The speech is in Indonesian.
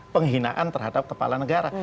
penghinaan terhadap kepala negara